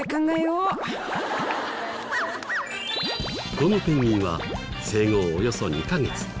このペンギンは生後およそ２カ月。